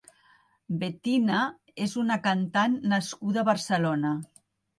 Betina és una cantant nascuda a Barcelona.